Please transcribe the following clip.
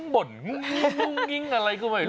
บ่นงุ้งงิ้งอะไรก็ไม่รู้